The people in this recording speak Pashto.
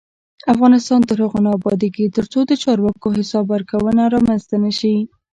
افغانستان تر هغو نه ابادیږي، ترڅو د چارواکو حساب ورکونه رامنځته نشي.